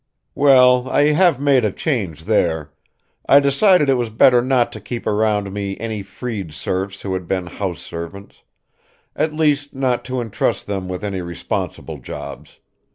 "Well, I have made a change there. I decided it was better not to keep around me any freed serfs who had been house servants; at least not to entrust them with any responsible jobs."